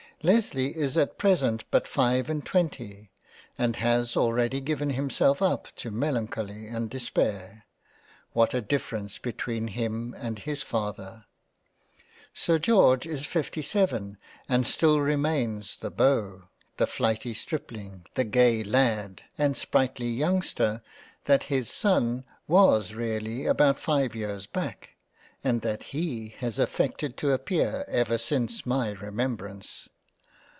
Lesley is at present but five and twenty, and has already given himself up to melancholy and Despair ; what a difference between him and his Father ! Sir George is 57 and still remains the Beau, the flighty stripling, the gay Lad, and sprightly Youngster, * Rakehelly Dishonor, Esqre. (as in MS.). 47 g JANE AUSTEN £ that his Son was really about five years back, and that he has affected to appear ever since my remembrance.